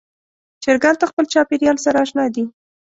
چرګان د خپل چاپېریال سره اشنا دي.